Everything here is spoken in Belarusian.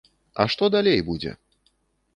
А што далей будзе?